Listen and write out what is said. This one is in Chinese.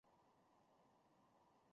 他和父亲随从铁木真统一蒙古诸部。